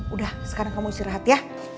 udah sekarang kamu istirahat ya